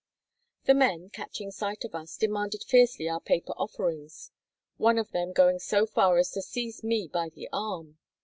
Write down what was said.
The men, catching sight of us, demanded fiercely our paper offerings; one of them going so far as to seize me by the arm.